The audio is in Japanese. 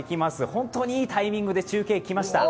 本当にいいタイミングで中継、来ました。